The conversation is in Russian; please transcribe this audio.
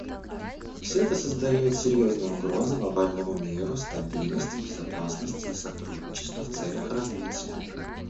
Всё это создает серьезные угрозы глобальному миру, стабильности, безопасности и сотрудничеству в целях развития.